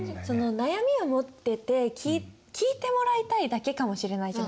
悩みを持ってて聞いてもらいたいだけかもしれないじゃないですか。